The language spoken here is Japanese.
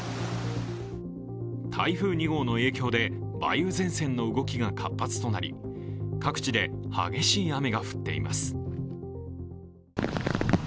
台風２号の影響で梅雨前線の動きが活発となり各地で激しい雨が降っています。